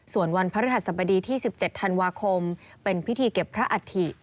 ส่วนวันพระฤหัสบดีที่๑๗ธันวาคมเป็นพิธีเก็บพระอัฐิ